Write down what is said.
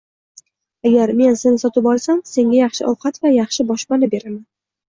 -Agar men seni sotib olsam, senga yaxshi ovqat va yaxshi boshpana beraman.